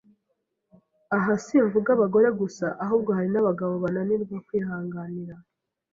aha simvuga abagore gusa, ahubwo hari n’abagabo bananirwa kwihanganira